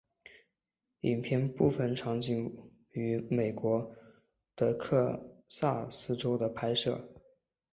影片部分场景于美国德克萨斯州的拍摄。